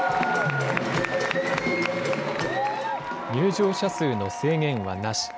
入場者数の制限はなし。